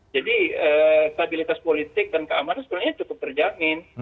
jadi stabilitas politik dan keamanan sebenarnya cukup terjamin